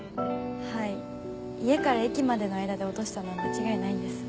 はい家から駅までの間で落としたのは間違いないんです。